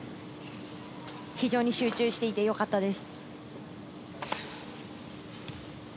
非常に集中していてよかったです。